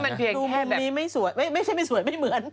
มองดูมีไม่สวยไม่ใช่มีสวยไม่เหมือน